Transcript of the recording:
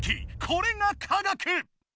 これが科学！